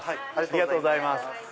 ありがとうございます。